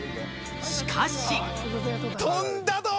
しかし。